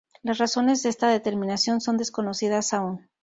Las razones de esta determinación son desconocidas aún.